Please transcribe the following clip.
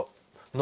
何？